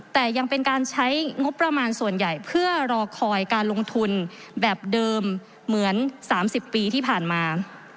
แต่ยังเป็นการใช้งบประมาณส่วนใหญ่เพื่อรอคอยการลงทุนแบบเดิมเหมือน๓๐ปีที่ผ่านมา